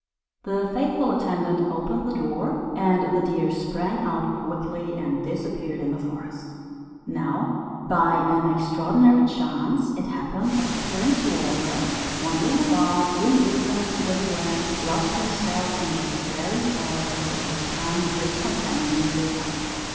The faithful attendant opened the door, and the deer sprang out quickly, and disappeared in the forest. Now, by an extraordinary chance, it happened that Prince Warrior, wandering about, indifferent to where he went, lost himself in this very forest, where he had come with his companion Becafico.